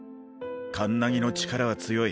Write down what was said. カンナギの力は強い。